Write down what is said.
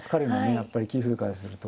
やっぱり棋風からすると。